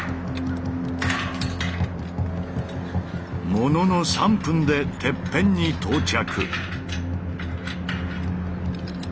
ものの３分でてっぺんに到着。